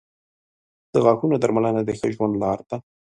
• د غاښونو درملنه د ښه ژوند لار ده.